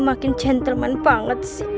makin gentleman banget sih